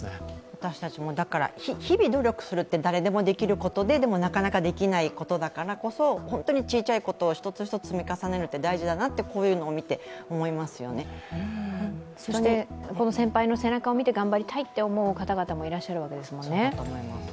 私たちも、日々努力するって誰でもできることで、でもなかなかできないことだからこそ、本当に小さいことを一つ一つ積み重ねるって大事だなってそして先輩の背中を見て頑張りたいと思う方々もいらっしゃるわけですもんね。